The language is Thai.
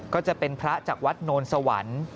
ก็จะเป็นพระจากวัดโนนสวรรค์